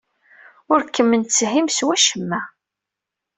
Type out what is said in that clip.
Ur kem-netthim s wacemma.